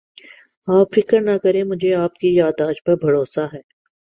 آپ فکر نہ کریں مجھے آپ کی یاد داشت پر بھروسہ ہے